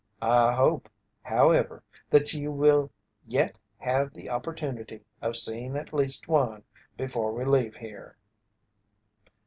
I hope, however, that you will yet have the opportunity of seeing at least one before we leave here."